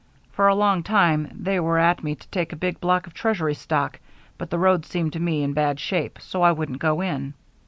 For a long time they were at me to take a big block of treasury stock, but the road seemed to me in bad shape, so I wouldn't go in.